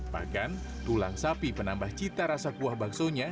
pakan tulang sapi penambah cita rasa kuah baksonya